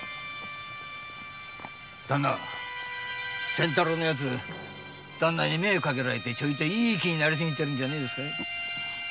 仙太郎のヤツダンナに目をかけられてちょいといい気になりすぎているんじゃねえんですかい？